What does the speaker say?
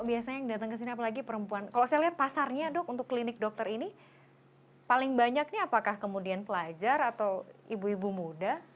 biasanya yang datang ke sini apalagi perempuan kalau saya lihat pasarnya dok untuk klinik dokter ini paling banyak ini apakah kemudian pelajar atau ibu ibu muda